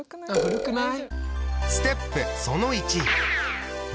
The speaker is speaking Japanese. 古くない？